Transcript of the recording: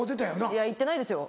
いや行ってないですよ。